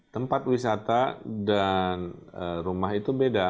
tempat wisata dan rumah itu beda